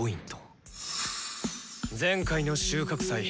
前回の収穫祭